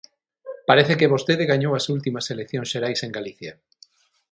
Parece que vostede gañou as últimas eleccións xerais en Galicia.